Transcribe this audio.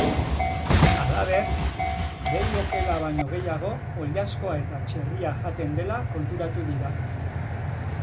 Halaber, behi okela baino gehiago oilaskoa eta txerria jaten dela konturatu dira.